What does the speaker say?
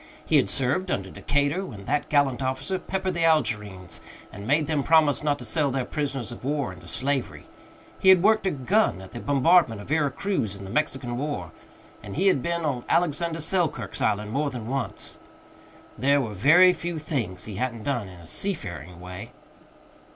He had served under Decatur when that gallant officer peppered the Algerines and made them promise not to sell their prisoners of war into slavery; he had worked a gun at the bombardment of Vera Cruz in the Mexican War, and he had been on Alexander Selkirk's Island more than once. There were very few things he hadn't done in a seafaring way.